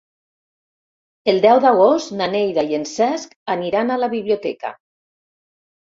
El deu d'agost na Neida i en Cesc aniran a la biblioteca.